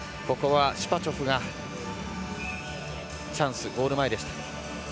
ここはシパチョフがチャンスゴール前でした。